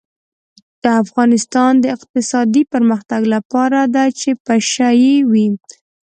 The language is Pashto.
د افغانستان د اقتصادي پرمختګ لپاره پکار ده چې پشه یي وي.